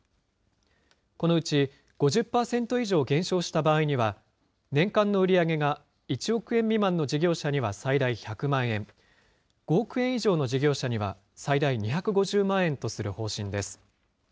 このうち５０％以上減少した場合には、年間の売り上げが１億円未満の事業者には最大１００万円、５億円以上の事業者には最大２５０万円とする方針です。